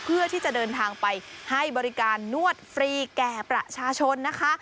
เพื่อที่จะเดินทางไปให้บริการนวดฟรีแก่ประชาชนนะคะ